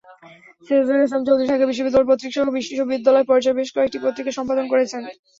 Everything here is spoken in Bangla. সিরাজুল ইসলাম চৌধুরী ঢাকা বিশ্ববিদ্যালয় পত্রিকাসহ বিশ্ববিদ্যালয় পর্যায়ে বেশ কয়েকটি পত্রিকা সম্পাদনা করেছেন।